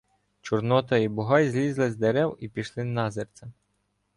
Чорнота і Бугай злізли з дерев і пішли назирцем.